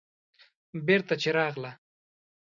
بېرته چې راغله.